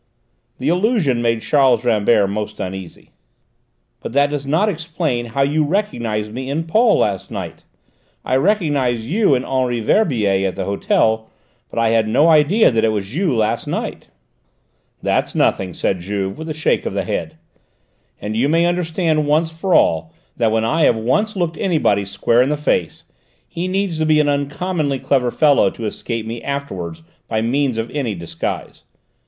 The allusion made Charles Rambert most uneasy. "But that does not explain how you recognised me in Paul to night. I recognised you in Henri Verbier at the hotel, but I had no idea that it was you last night." "That's nothing," said Juve with a shake of the head. "And you may understand once for all that when I have once looked anybody square in the face, he needs to be an uncommonly clever fellow to escape me afterwards by means of any disguise.